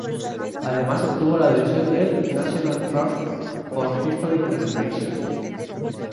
Además obtuvo la adhesión del "National Trust for Historic Preservation".